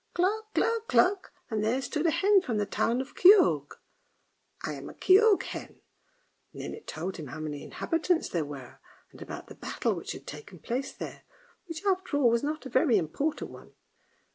"Cluck, cluck, cluck!" and there stood a hen from the town of Kioge. " I am a Kioge hen," and then it told him how many inhabitants there were, and about the battle which had taken place there, which after all was not a very important one.